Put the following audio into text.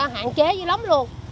hạn chế dưới lống luôn